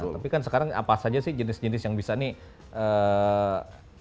tapi kan sekarang apa saja sih jenis jenis yang bisa nih